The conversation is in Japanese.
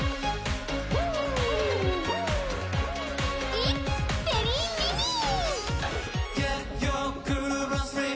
「イッツ・ベリー・ミニー！」